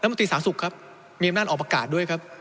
มนตรีสาธารณสุขครับมีอำนาจออกประกาศด้วยครับ